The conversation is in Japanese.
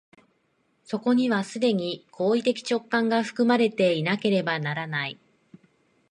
そこには既に行為的直観が含まれていなければならない。